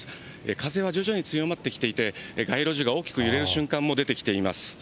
風は徐々に強まってきていて、街路樹が大きく揺れる瞬間も出てきています。